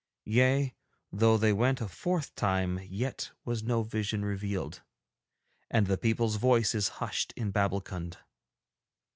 Yea, though they went a fourth time yet was no vision revealed; and the people's voice is hushed in Babbulkund.'